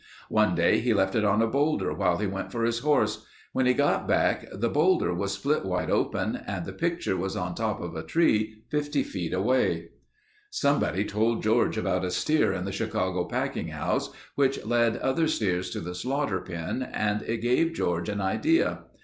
One day he left it on a boulder while he went for his horse. When he got back, the boulder was split wide open and the picture was on top of a tree 50 feet away. "Somebody told George about a steer in the Chicago packing house which led other steers to the slaughter pen and it gave George an idea.